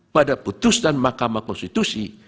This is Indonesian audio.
pada putusan mahkamah konstitusi